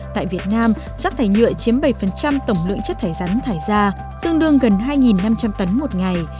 tại việt nam rắc thải nhựa chiếm bảy tổng lượng chất thải rắn thải ra tương đương gần hai năm trăm linh tấn một ngày